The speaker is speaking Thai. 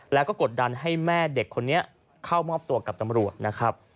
แล้วก็กดดันให้แม่เด็กคนนี้เข้ามอบตัวกับตำรวจนะครับ